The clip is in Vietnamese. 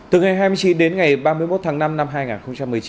từ ngày hai mươi chín đến ngày ba mươi một tháng năm năm hai nghìn một mươi chín